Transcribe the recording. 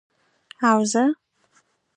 او زه،